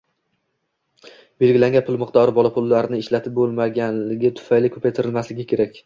• Belgilangan pul miqdori bola pullarini ishlatib bo‘lganligi tufayli ko‘paytirilmasligi kerak.